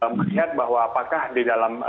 melihat bahwa apakah di dalam